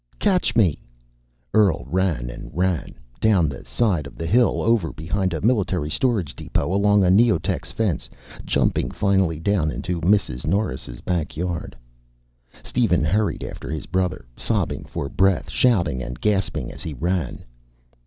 "Catch me." Earl ran and ran, down the side of the hill, over behind a military storage depot, along a neotex fence, jumping finally down into Mrs. Norris' back yard. Steven hurried after his brother, sobbing for breath, shouting and gasping as he ran.